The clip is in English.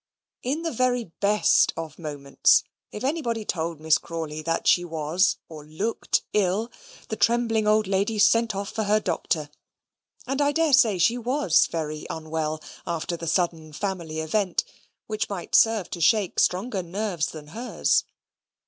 In the very best of moments, if anybody told Miss Crawley that she was, or looked ill, the trembling old lady sent off for her doctor; and I daresay she was very unwell after the sudden family event, which might serve to shake stronger nerves than hers.